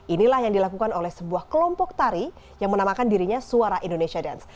inilah yang dilakukan oleh sebuah kelompok tari yang menamakan dirinya suara indonesia dance